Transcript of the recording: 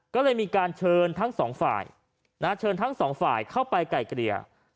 ก็เลยมีการเชิญทั้งสองฝ่ายเชิญทั้งสองฝ่ายเข้าไปไกลเกลี่ย